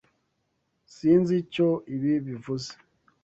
Sinzi icyo ibi bivuze.